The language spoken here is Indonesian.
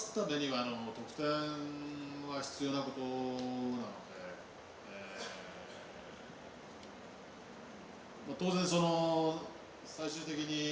tidak ada yang bisa diperlukan